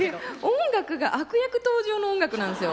音楽が悪役登場の音楽なんですよ